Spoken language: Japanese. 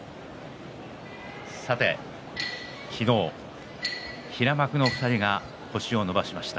さて昨日平幕の２人が星を伸ばしました。